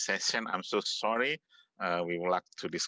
sesi ini saya sangat minta maaf